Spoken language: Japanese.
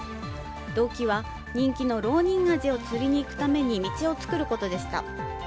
動機は、人気のロウニンアジを釣りに行くために道を作ることでした。